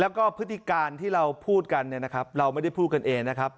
แล้วก็พฤติการที่เราพูดกันเนี่ยนะครับเราไม่ได้พูดกันเองนะครับ